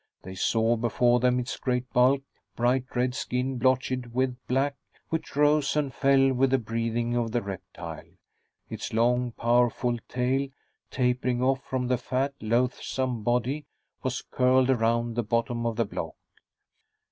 They saw before them its great bulk, bright red skin blotched with black, which rose and fell with the breathing of the reptile. Its long, powerful tail, tapering off from the fat, loathsome body, was curled around the bottom of the block.